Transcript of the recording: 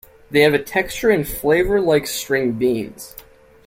They have a texture and flavor like string beans.